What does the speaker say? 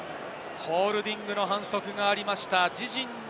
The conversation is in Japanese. ホールディングの反則がありました。